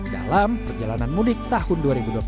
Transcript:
dalam perjalanan mudik tahun dua ribu dua puluh satu